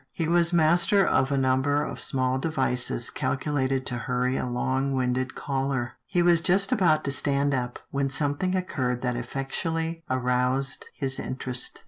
He was master of a number of small devices calculated to hurry a long winded caller. He was just about to stand up, when something occurred that effectually aroused his interest.